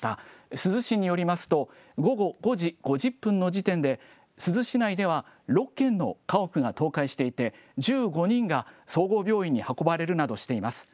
珠洲市によりますと、午後５時５０分の時点で、珠洲市内では６軒の家屋が倒壊していて、１５人が総合病院に運ばれるなどしています。